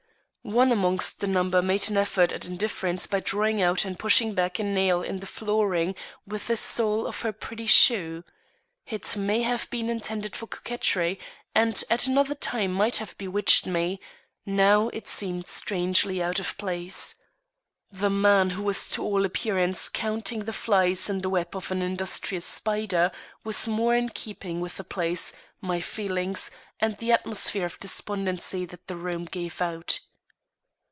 One amongst the number made an effort at indifference by drawing out and pushing back a nail in the flooring with the sole of her pretty shoe. It may have been intended for coquetry, and at another time might have bewitched me; now it seemed strangely out of place. The man who was to all appearance counting the flies in the web of an industrious spider was more in keeping with the place, my feelings, and the atmosphere of despondency that the room gave out.